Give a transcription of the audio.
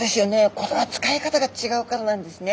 これは使い方が違うからなんですね。